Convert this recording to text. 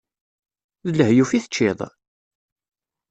D lehyuf i teččiḍ?